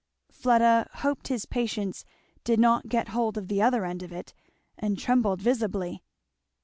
Fleda hoped his patients did not get hold of the other end of it, and trembled, visibly.